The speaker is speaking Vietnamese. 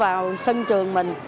vào sân trường mình